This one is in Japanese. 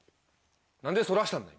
何でそらしたんだ！